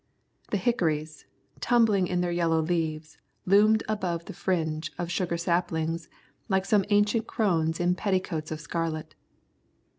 The hickories, trembling in their yellow leaves, loomed above the fringe of sugar saplings like some ancient crones in petticoats of scarlet.